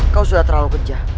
kau sudah terlalu kerja